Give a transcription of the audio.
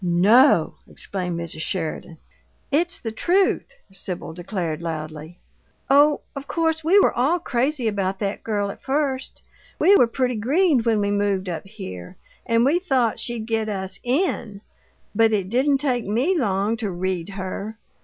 "No!" exclaimed Mrs. Sheridan. "It's the truth," Sibyl declared, loudly. "Oh, of course we were all crazy about that girl at first. We were pretty green when we moved up here, and we thought she'd get us IN but it didn't take ME long to read her!